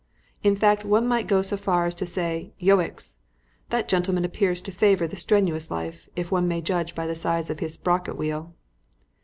In fact one might go so far as to say Yoicks! That gentleman appears to favour the strenuous life, if one may judge by the size of his sprocket wheel."